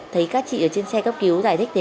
thấy các chị ở trên xe cấp cứu giải thích thế